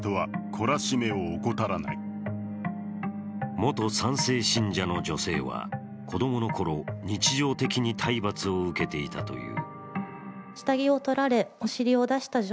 元３世信者の女性は子供のころ、日常的に体罰を受けていたという。